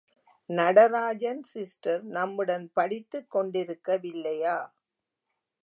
Natarajan sister நம்முடன் படித்துக் கொண்டிருக்க வில்லையா?